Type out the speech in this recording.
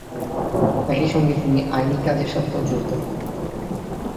একই সঙ্গে তিনি আইনি কাজের সাথেও জড়িত হন।